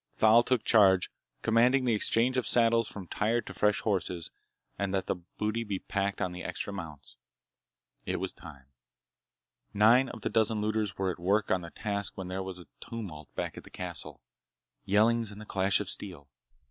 Thal took charge, commanding the exchange of saddles from tired to fresh horses and that the booty be packed on the extra mounts. It was time. Nine of the dozen looters were at work on the task when there was a tumult back in the castle. Yellings and the clash of steel.